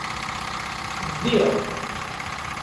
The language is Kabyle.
Bdiɣ.